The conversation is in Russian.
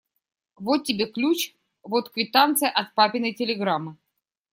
Вот тебе ключ, вот квитанция от папиной телеграммы.